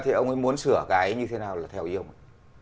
thì ông ấy muốn sửa cái như thế nào là theo yêu cầu